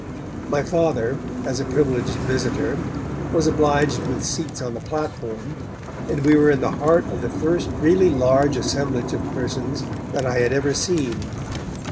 My Father, as a privileged visitor, was obliged with seats on the platform, and we were in the heart of the first really large assemblage of persons that I had ever seen.